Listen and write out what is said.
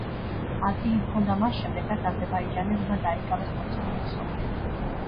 ადგილი ჰქონდა მას შემდეგ, რაც აზერბაიჯანელებმა დაიკავეს მოცემული სოფელი.